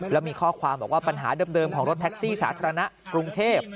แล้วมีข้อความบอกว่าปัญหาเดิมของรถแท็กซี่สาธารณะกรุงเทพ